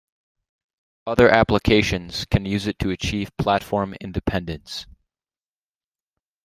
Other applications can use it to achieve platform independence.